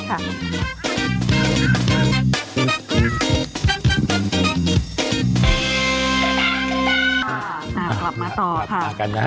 กลับมาต่อค่ะ